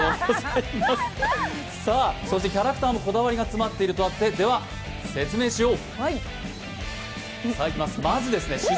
そしてキャラクターのこだわりが詰まってるとあって、では、説明しよう！